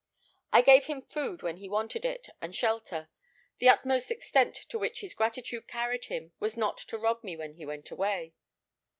I gave him food when he wanted it, and shelter. The utmost extent to which his gratitude carried him was not to rob me when he went away.